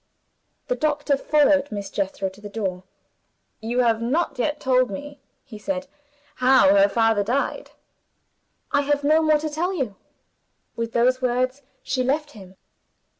The doctor followed Miss Jethro to the door. "You have not yet told me," he said, "how her father died." "I have no more to tell you." With those words she left him.